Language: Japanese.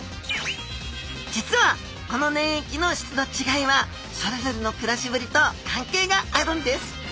実はこの粘液の質の違いはそれぞれの暮らしぶりと関係があるんです。